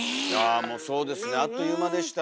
あもうそうですねあっという間でした。